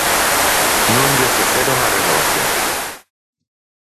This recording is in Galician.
Non lle ofreceron a renovación.